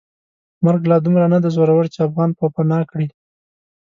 مرګ لا دومره ندی زورور چې افغان پوپناه کړي.